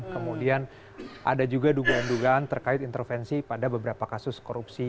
kemudian ada juga dugaan dugaan terkait intervensi pada beberapa kasus korupsi